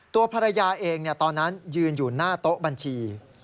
ตัวภรรยาเองตอนนั้นยืนอยู่หน้าโต๊ะบัญชี